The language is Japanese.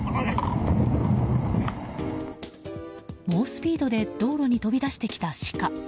猛スピードで道路に飛び出してきたシカ。